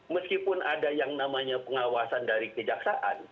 meskipun ada yang namanya pengawasan dari kejaksaan